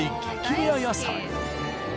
レア野菜。